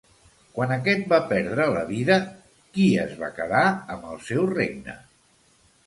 Quan aquest va perdre la vida, qui es va quedar amb el seu regne?